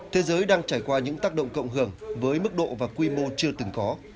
thế giới đang trải qua những tác động cộng hưởng với mức độ và quy mô chưa từng có